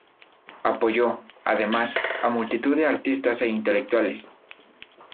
Apoyó, además, a multitud de artistas e intelectuales.